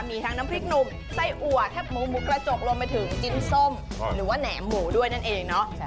มีทั้งน้ำพริกหนุ่มไส้อัวแทบหมูหมูกระจกรวมไปถึงกินส้มหรือว่าแหนมหมูด้วยนั่นเองเนาะ